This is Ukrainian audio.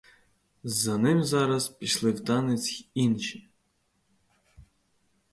За ним зараз пішли в танець й інші.